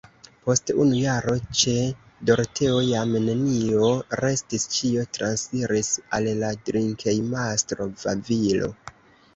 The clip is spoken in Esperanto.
Post unu jaro ĉe Doroteo jam nenio restis ĉio transiris al la drinkejmastro Vavilo.